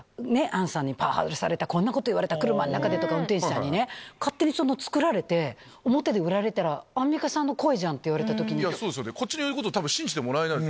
アンさんにパワハラされた、こんなこと言われた、車の中でとか、運転手さんにね、勝手に作られて、表で売られたら、アンミカさんの声じゃんって言わそうですよね、こっちの言うことたぶん信じてもらえない。